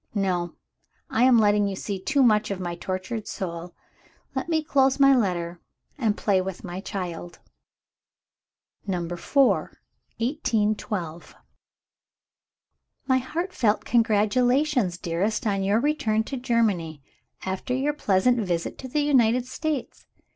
"No! I am letting you see too much of my tortured soul. Let me close my letter, and play with my child." Number IV. 1812. "My heartfelt congratulations, dearest, on your return to Germany, after your pleasant visit to the United States.